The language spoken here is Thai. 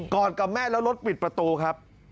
อดกับแม่แล้วรถปิดประตูครับ